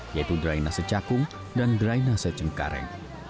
yaitu drainase cakung dan drainase cengkareng